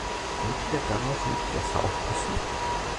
Könnt ihr darauf nicht besser aufpassen?